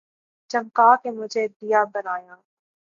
چمکا کے مجھے دیا بنا یا